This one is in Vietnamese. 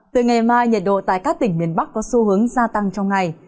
từ ngày mai nhiệt độ tại các tỉnh miền bắc có xu hướng gia tăng trong ngày